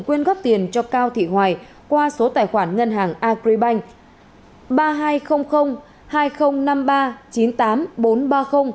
khuyên gấp tiền cho cao thị hoài qua số tài khoản ngân hàng agribank